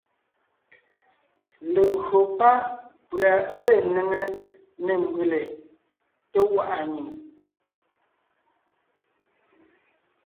Legÿo pá’ pʉ̀a ge néŋe nê mbʉ́lè, té gwaʼa nyìŋ,